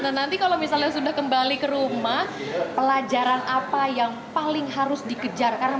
nah nanti kalau misalnya sudah kembali ke rumah pelajaran apa yang paling harus dikejar karena